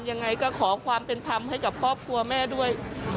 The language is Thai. ยังไงก็ขอความเป็นธรรมให้กับครอบครัวแม่ด้วย